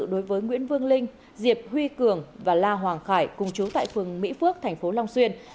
đối với nguyễn vương linh diệp huy cường và la hoàng khải cùng chú tại phường mỹ phước thành phố long xuyên